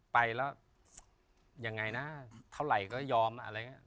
ไปละยังไงนะเท่าไหร่ก็ยอมอะไรแบบนั้น